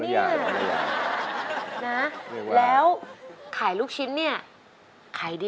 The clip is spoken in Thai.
แล้วน้องใบบัวร้องได้หรือว่าร้องผิดครับ